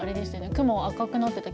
雲赤くなってた。